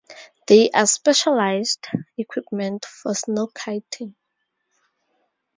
There are specialized equipment for snowkiting.